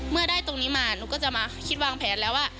เมื่อได้ตรงนี้มาหนูก็จะมาคิดวางแผนแล้วว่า